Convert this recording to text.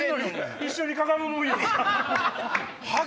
一緒にかがむもんやから。